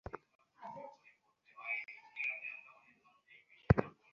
তার মানে অস্ট্রেলিয়ার সবচেয়ে সফল তিনটি ওপেনিং জুটির দুটিতেই আছেন ম্যাকগ্রা।